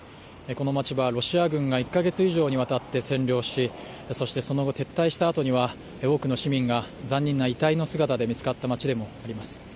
この街はロシア軍が１カ月以上にわたっ占領しそしてその後撤退した後には多くの市民が残忍な遺体の姿が見つかった街でもあります。